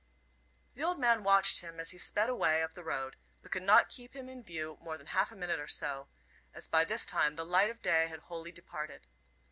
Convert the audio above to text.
The old man watched him as he sped away up the road, but could not keep him in view more than half a minute or so, as by this time the light of day had wholly departed.